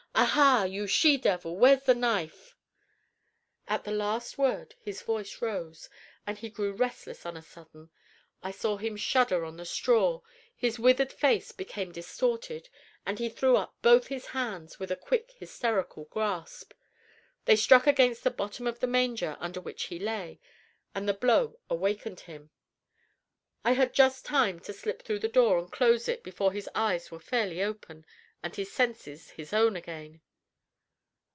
Aha! you she devil, where's the knife?" At the last word his voice rose, and he grew restless on a sudden. I saw him shudder on the straw; his withered face became distorted, and he threw up both his hands with a quick hysterical gasp. They struck against the bottom of the manger under which he lay, and the blow awakened him. I had just time to slip through the door and close it before his eyes were fairly open, and his senses his own again.